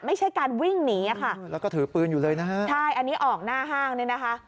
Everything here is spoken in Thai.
ไม่ใช่การวิ่งหนีอะค่ะแล้วก็ถือปืนอยู่เลยนะฮะใช่อันนี้ออกหน้าห้างเนี่ยนะคะ